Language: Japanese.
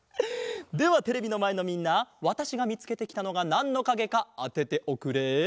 ではテレビのまえのみんなわたしがみつけてきたのがなんのかげかあてておくれ。